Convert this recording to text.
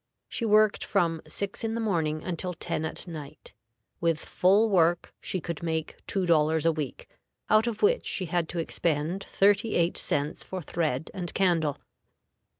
She worked from six in the morning until ten at night. With full work she could make two dollars a week, out of which she had to expend thirty eight cents for thread and candle.